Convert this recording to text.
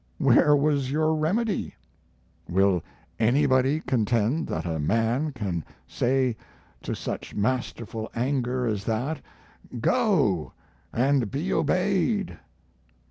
Where was your remedy? Will anybody contend that a man can say to such masterful anger as that, Go, and be obeyed?